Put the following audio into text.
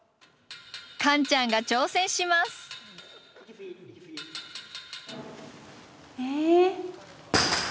カンちゃんが挑戦します。え？